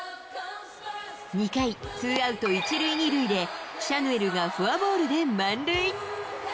２回、ツーアウト１塁２塁でシャヌエルがフォアボールで満塁。